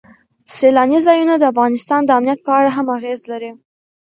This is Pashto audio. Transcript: سیلانی ځایونه د افغانستان د امنیت په اړه هم اغېز لري.